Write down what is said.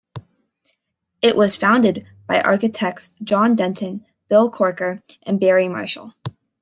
It was founded by architects John Denton, Bill Corker, and Barrie Marshall.